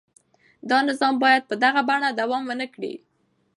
دا نظام باید په دغه بڼه دوام ونه کړي.